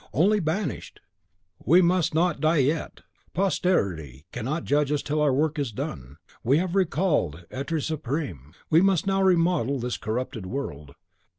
only banished! We must not die yet. Posterity cannot judge us till our work is done. We have recalled L'Etre Supreme; we must now remodel this corrupted world.